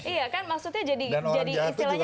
iya kan maksudnya jadi istilahnya seperti jadi ladang